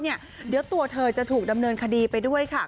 เดี๋ยวตัวเธอจะถูกดำเนินคดีไปด้วยค่ะ